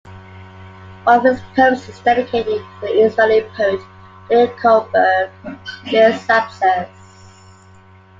One of his poems is dedicated to the Israeli poet Leah Goldberg: "Leah's Absence".